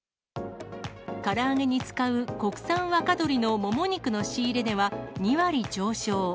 から揚げに使う国産若鶏のもも肉の仕入れ値は２割上昇。